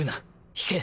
引け。